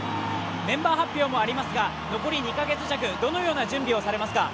メンバー発表もありますが、残り２か月弱、どのような準備をされますか？